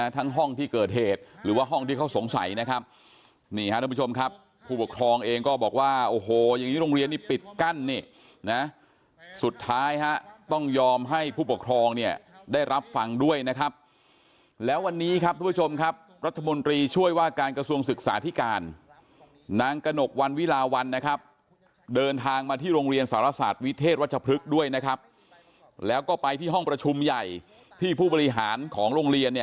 ทั้งห้องที่เกิดเหตุหรือว่าห้องที่เขาสงสัยนะครับนี่ค่ะทุกผู้ชมครับผู้ปกครองเองก็บอกว่าโอ้โหยังงี้โรงเรียนปิดกั้นนี่นะสุดท้ายต้องยอมให้ผู้ปกครองเนี่ยได้รับฟังด้วยนะครับแล้ววันนี้ครับทุกผู้ชมครับรัฐมนตรีช่วยว่าการกระทรวงศึกษาที่การนางกระหนกวันวิลาวันนะครับเดินทางมาที่โรงเรีย